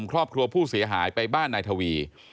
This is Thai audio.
ครอบครัวผู้เสียหายไปบ้านนายทวี